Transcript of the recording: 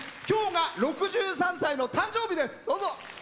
今日が６３歳の誕生日ですどうぞ。